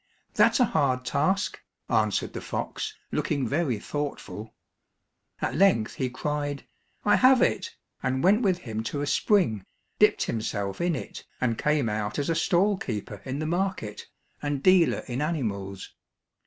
"That's a hard task," answered the fox, looking very thoughtful. At length he cried, "I have it!" and went with him to a spring, dipped himself in it, and came out as a stall keeper in the market, and dealer in animals.